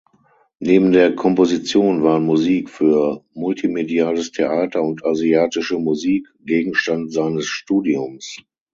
Neben der Komposition waren Musik für multimediales Theater und asiatische Musik Gegenstand seines Studiums.